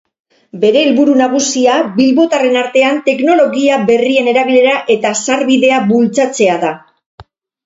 Bere helburu nagusia bilbotarren artean teknologia berrien erabilera eta sarbidea bultzatzea da.